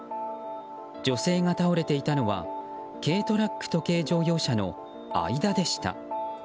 女性が倒れていたのは軽トラックと軽乗用車の間でした。